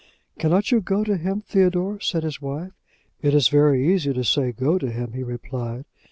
"Cannot you go to him, Theodore?" said his wife. "It is very easy to say go to him," he replied.